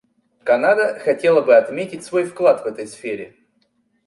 Канада хотела бы отметить свой вклад в этой сфере.